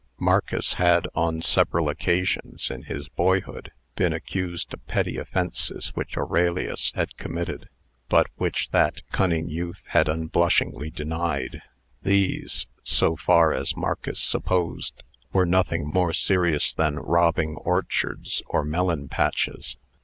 Marcus had, on several occasions in his boyhood, been accused of petty offences which Aurelius had committed, but which that cunning youth had unblushingly denied. These, so far as Marcus supposed, were nothing more serious than robbing orchards or melon patches.